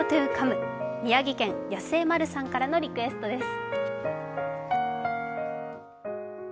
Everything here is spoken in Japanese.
宮城県、やすえまるさんからのリクエストです。